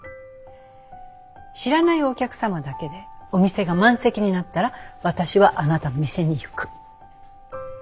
知らないお客様だけでお店が満席になったら私はあなたの店に行く。